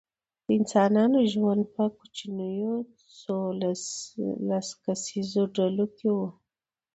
د انسانانو ژوند په کوچنیو څو لس کسیزو ډلو کې و.